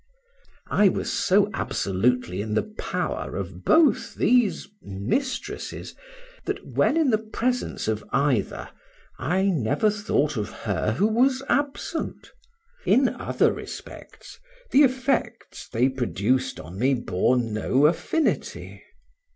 I was so absolutely in the power of both these mistresses, that when in the presence of either, I never thought of her who was absent; in other respects, the effects they produced on me bore no affinity.